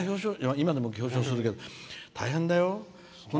今でも表彰するけど大変だよ。